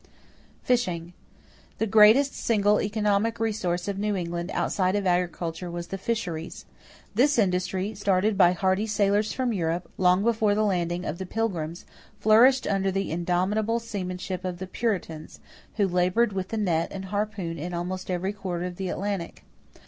=Fishing.= The greatest single economic resource of New England outside of agriculture was the fisheries. This industry, started by hardy sailors from Europe, long before the landing of the Pilgrims, flourished under the indomitable seamanship of the Puritans, who labored with the net and the harpoon in almost every quarter of the Atlantic.